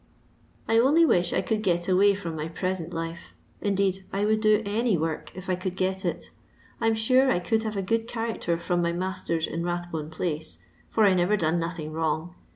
I only wuh I could get away from my preaent lila» Indeed I would do any work if I could get iL I 'm fare I could hate a good character from ny matters in Bathbone>pIace, for I never done nothing wrong.